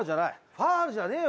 ファールじゃねえよ！